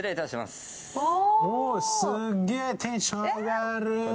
すっげえテンション上がる。